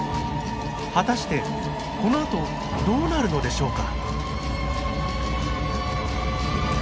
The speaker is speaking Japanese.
果たしてこのあとどうなるのでしょうか？